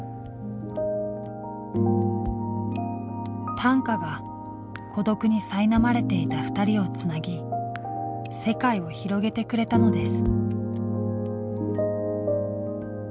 短歌が孤独にさいなまれていた２人をつなぎ「セカイ」を広げてくれたのです。